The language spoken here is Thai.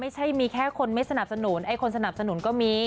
ไม่ใช่มีแค่คนไม่สนับสนุนไอ้คนสนับสนุนก็มี